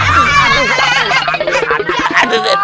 aduh aduh aduh